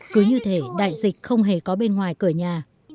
cứ như thế đại dịch không hề có bên ngoài cửa nhà